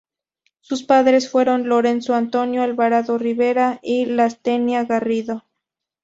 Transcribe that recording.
Sus padres fueron Lorenzo Antonino Alvarado Rivera y Lastenia Garrido.